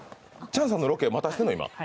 チャンさんのロケ待たせてるの、今？